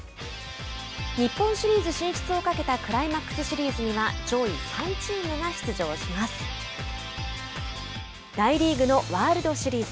日本シリーズ進出をかけたクライマックスシリーズには大リーグのワールドシリーズ。